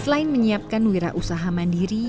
selain menyiapkan wirausaha mandiri